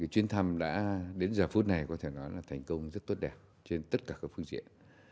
chuyến thăm đã đến giờ phút này có thể nói là thành công rất tốt đẹp trên tất cả các phương diện